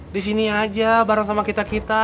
di sini aja bareng sama kita kita